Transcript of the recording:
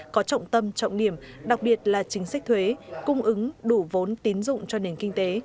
có trọng tâm trọng điểm đặc biệt là chính sách thuế cung ứng đủ vốn tín dụng cho nền kinh tế